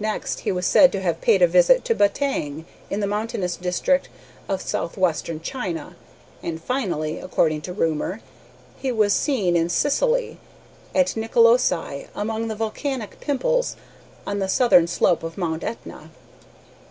Next he was said to have paid a visit to Batang, in the mountainous district of southwestern China, and finally, according to rumor, he was seen in Sicily, at Nicolosi, among the volcanic pimples on the southern slope of Mount Etna.